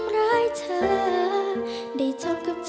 ถูกเขาทำร้ายเพราะใจเธอแบกรับมันเอง